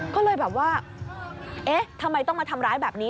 ก็เลยแบบว่าเอ๊ะทำไมต้องมาทำร้ายแบบนี้